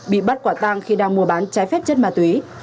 bị bắt quả tang khi đang mua bán trái phép chất ma túy